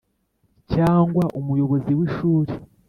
Cyangwa umuyobozi w ishuri